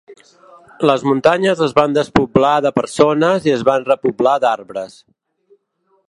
Les muntanyes es van despoblar de persones i es van repoblar d’arbres.